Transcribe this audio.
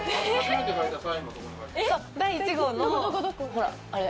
ほらあれ。